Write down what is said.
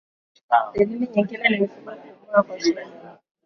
Dalili nyingine ni mifugo kupumua kwa shida